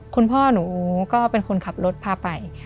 คุณพ่อหนูก็เป็นคนขับรถพาไป